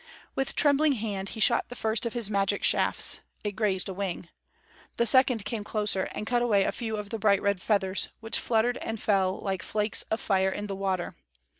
With trembling hand he shot the first of his magic shafts; it grazed a wing. The second came closer, and cut away a few of the bright red feathers, which fluttered and fell like flakes of fire in the water.